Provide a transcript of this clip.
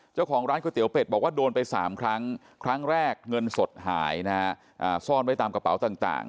เจ้าของร้านก๋วยเตี๋เป็ดบอกว่าโดนไป๓ครั้งครั้งแรกเงินสดหายนะฮะซ่อนไว้ตามกระเป๋าต่าง